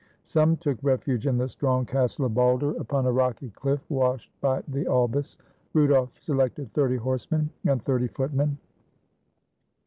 Some took refuge in the strong castle of Balder, upon a rocky cliff washed by the Albis. Rudolf selected thirty horsemen and thirty footmen.